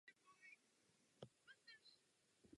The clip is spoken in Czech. Na jezeře se nachází několik ostrovů.